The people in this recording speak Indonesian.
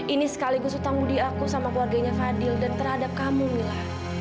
ini sekaligus utang budi aku sama keluarganya fadil dan terhadap kamu mila